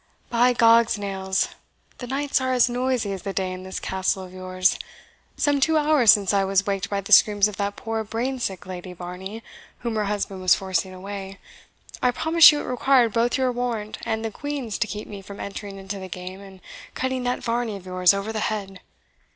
By gog's nails, the nights are as noisy as the day in this Castle of yours. Some two hours since I was waked by the screams of that poor brain sick Lady Varney, whom her husband was forcing away. I promise you it required both your warrant and the Queen's to keep me from entering into the game, and cutting that Varney of yours over the head.